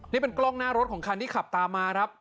นี่เป็นกล้องหน้ารถของคันที่ขับตามมาครับ